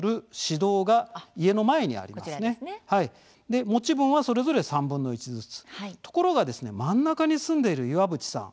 で持ち分はそれぞれ３分の１ずつ。ところがですね真ん中に住んでいる岩渕さん。